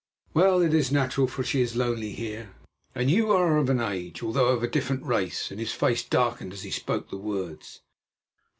Well, it is natural, for she is lonely here, and you are of an age, although of a different race"; and his face darkened as he spoke the words.